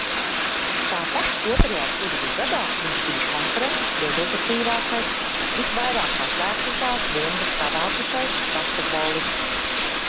Tāpat otrajā studiju gadā viņš bija konferences rezultatīvākis, visvairāk atlēkušās bumbas savākušais basketbolists.